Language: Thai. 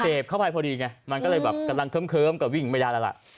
เข้าไปพอดีไงมันก็เลยแบบกำลังเคิ้มก็วิ่งไม่ได้แล้วล่ะ